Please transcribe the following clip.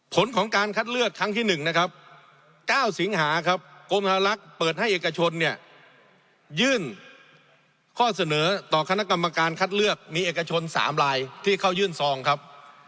ผลของการคัดเลือกครั้งที่๑นะครับ๙สิงหาครับกรมธลักษณ์เปิดให้เอกชนเนี่ยยื่นข้อเสนอต่อคณะกรรมการคัดเลือกมีเอกชน๓ลายที่เขายื่นซองครับ